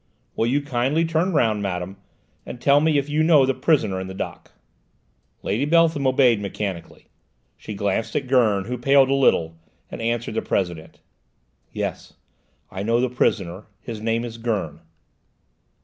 "Will you kindly turn round, madame, and tell me if you know the prisoner in the dock?" Lady Beltham obeyed mechanically; she glanced at Gurn, who paled a little, and answered the President. "Yes, I know the prisoner; his name is Gurn."